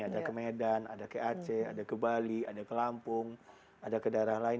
ada ke medan ada ke aceh ada ke bali ada ke lampung ada ke daerah lain